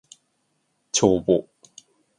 帳簿